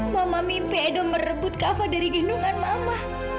mama mimpi edo merebut kava dari genungan mama